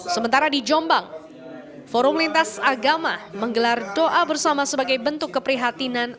sementara di jombang forum lintas agama menggelar doa bersama sebagai bentuk keprihatinan